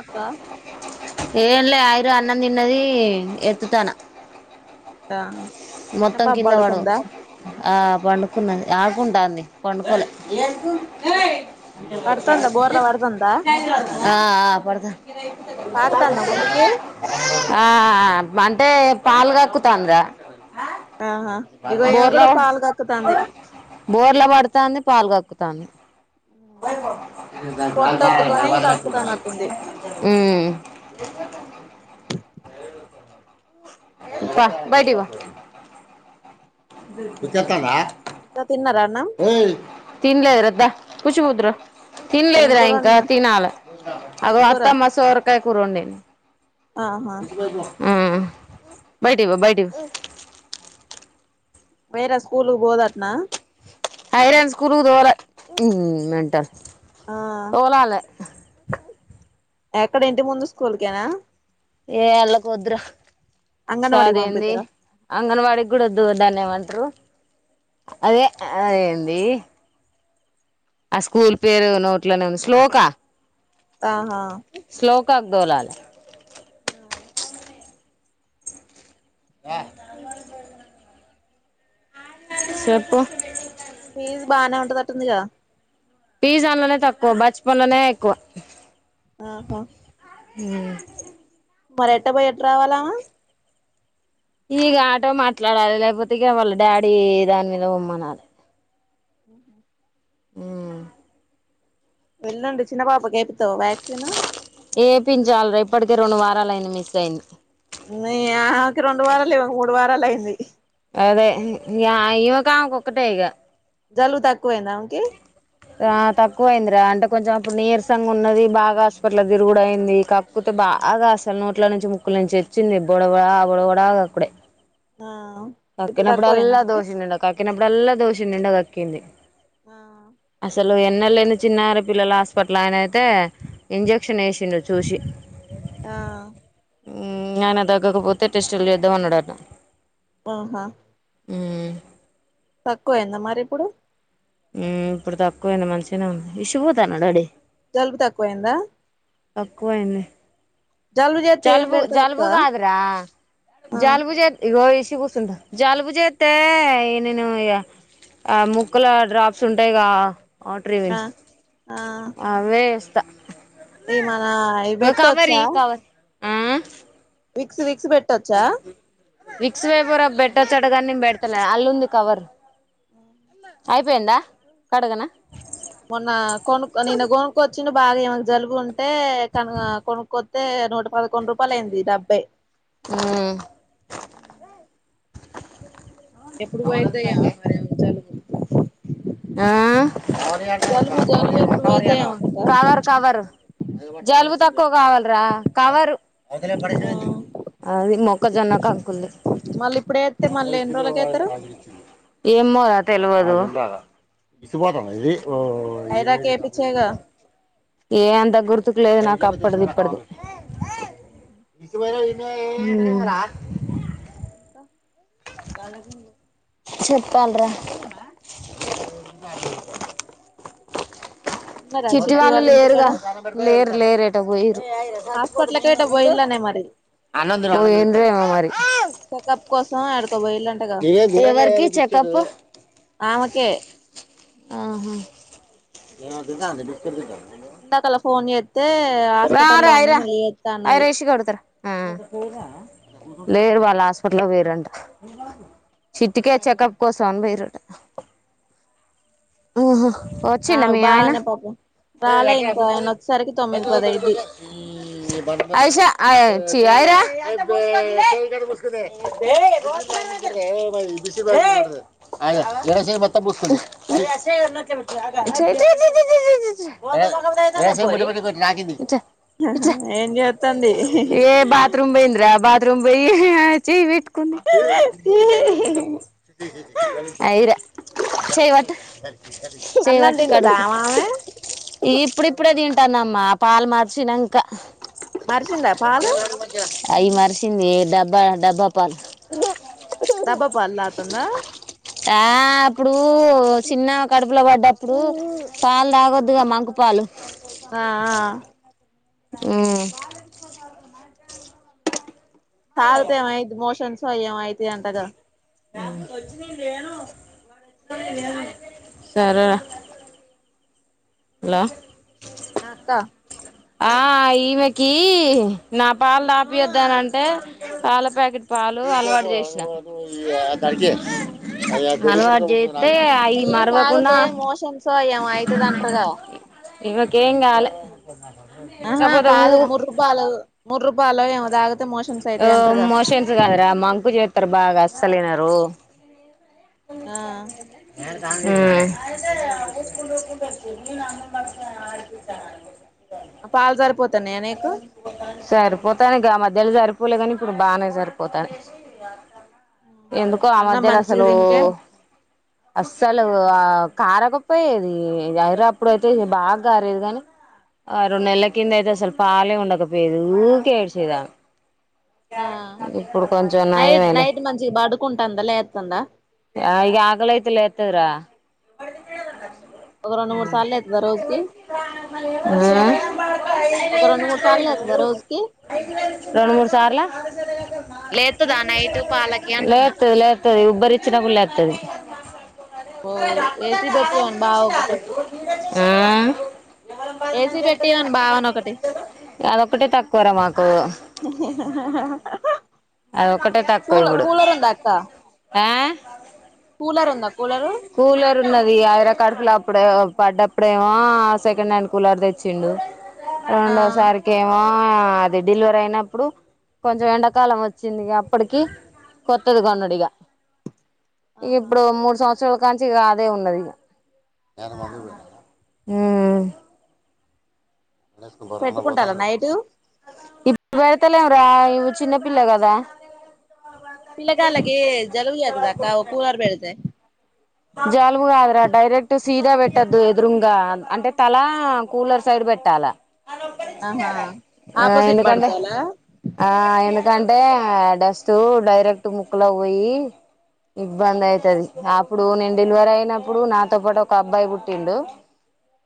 అక్క ఏన్లే ఆయిరు అన్న తిన్నది ఎత్తుతన ఆ మొత్తం కింద పడ ఆ పండుకున్నది ఆ ఉంటాంది పండుకోలే పడుతుందా బోర్లా పడుతుందా ఆఅ పడతా పాకుతాందా ముందుకి ఆ అంటే పాల్గాకుత అంద్ర ఆహా ఇగో ఈమె బోర్లా కూడా పాలు కక్కుతాంది బోర్లా పడుతా అంది పాలు కకు స్తాను పొట్టొత్తుకొని కక్కుతానట్టుంది ఉమ్ వా బయటి వా ఉచతనా ఇంకా తిన్నారా అన్నం తిన్లే ఇరద్దా కుష్ ఉధరు ఏం తినలేదురా కూర ఇంకా వండినా తినాల ఏం అదో కూర అత్తమ్మ సోరకాయ కూర వండింది ఆహా ఉ బయటివ్వు బయటివ్వు వేరే స్కూలుకు పోదాట్నా హైరాన్స్ స్కూళ్లకు తొల ఉ మెంటల్ ఆ తోలాలే ఎక్కడ ఇంటి ముందు స్కూల్కేనా ఏ అళ్ళకు వద్దురా సా అంగన్వాడికి అది ఏంది. పంపితారా అంగన్వాడీకి కూడా వద్దు దాన్ని ఏమంటారు. అదే అదేంది. ఆ స్కూల్ పేరు నోట్లోనే ఉంది. శ్లోకా ఆహా శ్లోక్ కక్ దోళాల ఆ ఆ చెప్పు ఫీజ్ బానే ఉంటతంటది గా ఫీజు అన్నానే తక్కువ బచ్పన్ అన్నానే ఎక్కువ ఆహా హ్ మరీ ఎట్ట బోయ్ ఎట్టా రావాల ఇగ ఆటో మాట్లాడాలి. లేకపోతే ఇగా వాళ్ళ డాడీ దాని మీద పొమ్మనాలే [inaudible] హ్ ఎల్లుండి. చిన్న పాప కైతే ఏపిండి చాలు రే ఇప్పటి తే రెండు వారాలు అయింది. మిస్ అయింది. నీ ఆమేకి రెండు వారాలు ఇమేకి మూడు వారాలు అయింది. అదే ఇగా ఈమెకు ఆమెకు ఒక్కటే ఇగా జలుబు తాక్కువ అయిందా ఆమెకి ఆ తక్కువ అయిందిరా అంటే కొంచెం అప్పుడు నీరసంగా ఉన్నది. బాగా హాస్పిటల్ కు తిరుగుడు అయింది. కక్కుతే బాగా అసలు నోట్ల నుంచి ముకుల నుంచి వచ్చింది. బొడబడా ఆ బొడవడా కక్కుడే ఆ ఇప్పుడు తక్కువయిందా కక్కినప్పుడల్లా ఆమెకి దోషిడు నిండ కక్కినప్పు ప్పుడల్లా దోషిడు నిండా కక్కింది. ఆ అసలు వాళ్ళు ఎన్నళ్ళు అయినా చిన్నరీ పిల్లలు హాస్పిట్ల ఆయన అయితే ఇంజెక్షన్ ఏసిండు చూసి ఆ హ్ ఏమన్నా తగ్గకపోతే టెస్టులు చేద్దాం. అన్నడట ఆహా హ్ తక్కువ అయిందా మరి ఇప్పుడు హ్ ఇప్పుడు తక్కువైంది. మంచిగానే ఉంది. ఇష్ పోతాన్నావ డాడీ జలుబు తక్కువయిందా తక్కువైంది. జలుబు చేస్తే ఏం చల్బు పెడతావ్ అక్క జల్బుగద్రా ఆ జల్బుజయి చ కూస్తుంటా జలుబు చేస్తే నేను ఆ ముక్కల డ్రాప్స్ ఉంటాయిగా ట్రవిన్ ఆ ఆ అవే త ఈ మన ఈ పెట్టొచ్చా కవర్ ఆ విక్స్ మ పెట్టొచ్చా విక్స్ వేపురబ్ పెట్టచ్చట కానీ పెడతన్నా అల్లుంది కవర్ ఆ అయిపోయిందా కడగనా మొన్న కొనుక్ నిన్న కొనుకుొచ్చిడు బాగా ఏమకు జలుబుంట టె తను కొను కొ తే నూట పదకొండు రూపాయలు అయింది. డబ్బే ఉమ్ ఎప్పుడు పోయిద్దో ఏమో మరి ఇ జలుబు ఆ జలుబు జలుబు ఎప్పుడు పోయిద్దో ఏమో అక్క కవర్ కవరు జలుబు తక్కువ కావాలరా కవరు ఆ అది మొక్కజొన్న కంకుంది మళ్ళీ ఇప్పుడు ఏత్తే మళ్ళీ ఎన్ని రోజులకి ఏత్తరు ఏమో తెలిదు [inaudible] విసు పోతా ఇది ఐరాకి ఏపిచ్చేగా ఏ ఏ అంత గుర్తుకు లేదు నాకు అప్పది ఇప్పటిది ఇసు వార అ రా అకా చెప్పాలా ర ఉన్నరా చిట్టి వాళ్ళు వాళ్ళ లేరుగా ఇంటికాడ లేరు లేరుేట పోయరు హాస్పిటల్కి ఎటో పోయిల్లనే మరి అ ఏేమ మరి చెకప్ కోసం యాడికో పోయిల్లంటగా ఎవరికి చెకప్ ఆమెకే ఆహా అక ఎ కలా ఫోన్ రా రే హాస్పిటల్లో ఉన్నా ఐరా మళ్ళీ చేత్తా అన్నది ఐరాషిక అడతార లేరు వాళ్ళ హాస్పిటల్ పేయరంట చిట్టికే చెకప్ కోసం అని పేయరుంట ఓహా వచ్చి ఆ మీ అయనా బానే పాపం రాలే ఇంకా ఆయన వచ్చేసరికి తొమ్మిది పది అయిద్ది సా [inaudible] గు రాగింది ఏం చేత్తంది ఇ ఏ బాత్రూమ్ బయందరా బాత్ర త్ర పోయి జ వట్టుకు అరా చేవచ్చ స అన్నం సైవటి తింటదా కడుదు ఆమె ఇప్పుడు ఇప్పుడే తింటానమ్మా పాలు మార్చినంక మరిచిందా పాలు అయి మర్సంది డబ్బా డబ్బా పల్ డబ్బా పలా అతందా ఆ అప్పుడు చిన్న కడుపులో పడ్డప్పుడు పాలు తాగొద్దుగా మంకు పాలు ఆ మ్ తాగితే ఏం అయ్యిద్ది మోషన్స్ తయ్యం అయితాయి అంటగా సరే లా నాక్క ఆ ఈమెకి నా పాలు తాగిపియొద్దు అని అంటే పాల ప్యాకెట్ పాలు అలవాటు చేషినా అలవాటు చే అయ్యి తాగితే మోషన్స్ అయ్యేమో అయ్యితదంటరుగా ఇవ్వకు ఎంకాలే ఆహా కాదు మూడు రూపాలు మూడు రూపాలు ఏమో తాగితే మోషన్స్ ఆ అయితాయి అంటారుగా మోషన్స్ కాదురా మం కు చెత్తరు బాగా అస్సలినరు ఆ మ్ ఆ పాలు సరిపో సరిపోతాని గా మధ్యలో సరిపోలే కాని ఇప్పుడు బానే సరిపోతాన ఎందుకో ఆ అన్నం మధ్యలో మంచిగా అసలు తింటే అస్సలు ఆ కారకపోయేది ఐరా అప్పుడు అయితే బాగా కారేది కాని ఆ రెండు నెల్ల కింద అయితే అసలు పాలే ఉండక పోయేది ఊకె ఏడిచేది ఆమె ఆ నైట్ నయమేలే నైట్ మంచిగ పడుకుంటుందా లేతుందా ఆ ఇగ ఆకలి అయితే ఎత్తదిరా ఒక రెండు మూడు సార్లు లెత్తదా రోజుకి ఒక రెండు మూడు సార్లు లెత్తదా రోజుకి రెండు మూడు సార్ల లెత్తదా నైటు పాలకి అంటన్నా నప్పుడు లెత్తది అబ్బో ఏసి బెట్టియ్యమను బావ ఒకటి మ్ ఏసి పెట్టిమను బావని ఒకటి అదొక్కటే తక్కువరా మాకు అది ఒకటే తక్కువ కూల ఇప్పుడు కూలర్ ఉందా అక్క ఆ కూలర్ ఉందా కూలరు కూలర్ ఉన్నది ఐరా కడుపులా అప్పుడొ పడ్డప్పుడేమో సెకండ్ హ్యాండ్ కూలర్ తెచ్చిండు ఆ రెండవ సారికేమో ఆ అది డెలివరీ అయినప్పుడు కొంచెం ఎండాకాలం వ వచ్చిందిగా అప్పటికిీ కొత్తడు ఆ కన్నోడిగా ఇక ఆహా ఇప్పుడు మూడు సంవత్సరం చులకాంచి అదే ఉన్నది మీ అయన ఆ మందుకు పోయి హ పెట్టుకుంటాళ్ల పోతాండు నైటు ఇప్పుడు పెడతలేం రా ఇగొ చిన్నపిల్ల కదా పిల్ల తల్లికి జలుబు లేత్తదక్కా కూలర్ పెడితే జలుబు కాదు రా డైరెక్ ఇటు సీదా పెట్టద్దు ఎదురుంగ అంటే తల కూలర్ సైడ్ పెట్టాలా ఆహా ఆ ఆపోజిట్ ఎందుకంటే పడుకోవాలా ఆ ఎందుకంటే డస్ట్ డైరెక్ట్ ముక్కలకు పోయి ఇబ్బంది అయితది ఇగ ఆ ఇప్పుడు నేను డెలివరీ అయినప్పుడు నాతో పాటు ఒక అబ్బాయి పుట్టిండు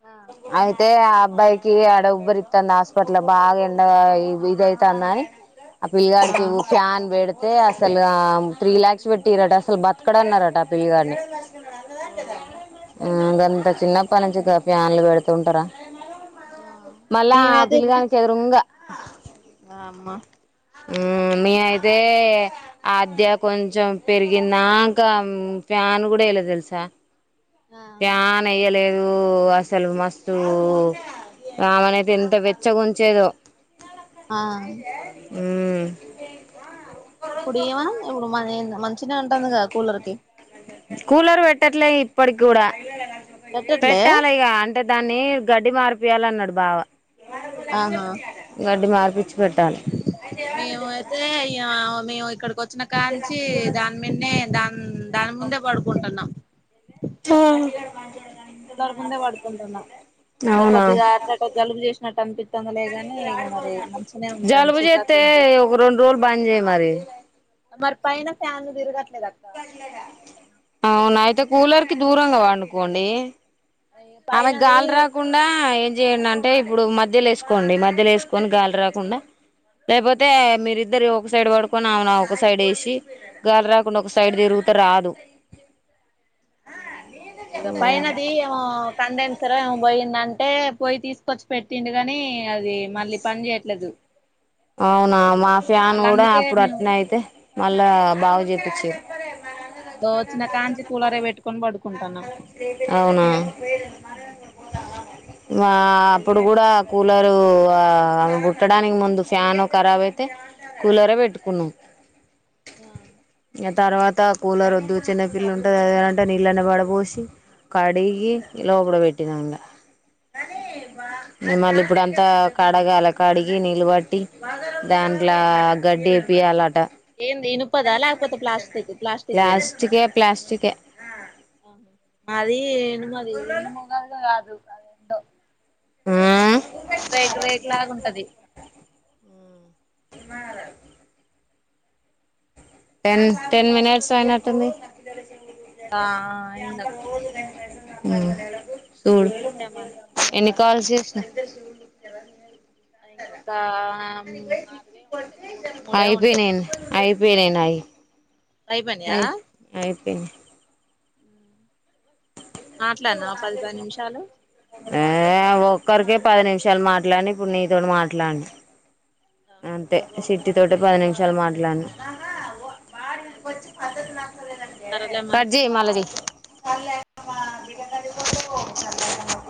ఆ అయితే ఆ అబ్బాయికి ఆడ ఉబ్బరిత్తంది హాస్పిటల్ బాగా ఎండగా ఇదైతందని అప్పు ఇల్గా ఆ అడికి ఫ్యాన్ బేడతే అసలు ఆ త్రీ లాక్స్ పెట్టిరట అసలు బతకడు అన్నారట ఆ పిలిగన్ని ఓ ఉం బ ఇంత చిన్నప్ప నుంచి కాపి ఫ్యాన్లు పెడుతే ఉంటారా ఆ మళ్ళా ఆ పిల్లిగానికి ఎదురంగా ఆ ఆ అమ్మా తే ఆద్య కొంచెం పెరిగినాంకా ఫ్యాన్ గూడా ఎయిలా తెలుసా ఆ ఫ్యాన్ ఎయ్యలేద్ అసలు మస్తు ఆమనయితే ఎంత వెచ్చగ ఉంచేదో ఆ ఊ ఇప్పుడు ఏమనా ఇప్పుడు మ మంచినె ఉంటాంది కదా కూలర్ కి కూలర్ పెట్టట్లే ఇప్పటి కూడా పెట్టట్లే పెట్టాలిగా అం అంటే దాన్ని గడ్డి మారిపియాల అన్నాడు బావ ఆహా గా పిచ్చు మేము అయితే ఇయ మేము ఇక్కడకొ వచ్చిన కాంచి దాని మీన్నే దా ఉ దాని ముందే పడుకుంటున్నాం ఆ కూలర్ ముందే పడుకుంటున్నా అవునా కొద్దిగా అట్లా జలుబు చేసినట్టు అనిపిత్తాంది లే గానీ ఇంగ మరి మంచినే ఉంటాంది జలుబు చీకాకు చేస్తే ఏం లేదు ఒక రెండు రోజులు బంద్ చేయి మరి పైన ఫ్యాను తిరగట్ల అవునా అయితే కూలర్ కి దూరంగా పనుకోండి ఆమెకు పైనది గాల్ రాకుండా చేయండి అంటే ఇప్పుడు మధ్యలో ఏసుకోండి మధ్యలో ఏసుకొని గాలి రాకుండా లేకపోతే మీరిద్దరు ఒక సైడ్ పడుకొని అవునా ఒక సైడ్ వేసి గాలి రాకుండా ఒక సైడ్ తిరుగుత రాదు ఇక పైనది ఏమొ కండెన్సరా ఏమొ బొయ్యిందం అంటే పోయి తీసుకొచ్చి పెట్టిండు కాని అది మళ్ళీ పని చేయట్లేదు అవునా మా ఇక ఫ్యాన్ మళ్ళీ గూడా అందుకే అప్పుడు మేము అట్నే అయితే మళ్ళా బాగు జేపిచ్చిరి వోచ్చిన కాంచిి కూలరే పెట్కొనీ పడుకుంది అవునా అప్పుడు కూడా కూలరు ఆ పుట్టడానికి ముందు ఫ్యాన్ ఖరాబ్ అయితే కూలరే పెట్టుకున్నాం ఆ ఇగ తర్వాత కూలర్ వద్దు చిన్న పిల్లు ఉంటుందింటే నీళ్ళనే పడ పోసి కడిగి లోపల పెట్టినండ ఉ మళ్ళీ ఇప్పుడంతా కడగాల కడిగి నీళ్ళు బట్టి దాంట్లో గడ్డి పియాలట ఏంది ఇనుపదా లేకపోతే ప్లాస్టిక్ ప్లాస్టిక్ దేనా ప్లాస్టికే ప్లాస్టికే అది ఇనుమది ఇనుముగాదు గాదు అదెందో ఉమ్ రేకు రేకు రేకు లాగుంటది [unintelligible] టెన్ టెన్ మినిట్స్ అయినట్టుంది ఆ ఆయిందక ఉ చూడు మరి ఎ కాాలస ఇంకొక నాలుగే ఉ అయిపోయినను అయిపోయిననుయి పై పన్యా అే అ మాట్లాడినా పదిభై నిమిషాలు ఆ ఒక్కరికే పది నిమిషాలు మాట్లాడి ఇప్పుడు నీతో మాట్లాడినా అంతే సిట్ ఇటి తోటి పది నిమిషాలు మాట్లాడిను స కట్ చెయ్ మల్ల చెయ్ క అిక పో [unintelligible]